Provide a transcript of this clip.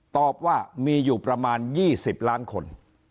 ตอบว่ามีอยู่ประมาณ๒๐ล้านคน